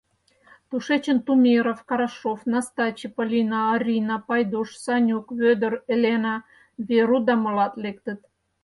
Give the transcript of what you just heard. Тушечын Тумеров, Карашов, Настачи, Полина, Орина, Пайдуш, Санюк, Вӧдыр, Елена, Веру да молат лектыт.